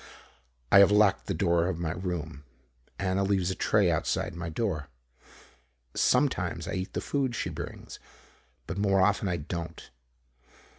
I have locked the door of my room. Anna leaves a tray outside my door. Sometimes I eat the food she brings, but more often I don't.